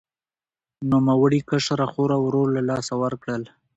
نوموړي کشره خور او ورور له لاسه ورکړل.